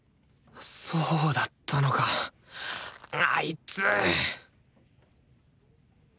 そうだったのかあいつ！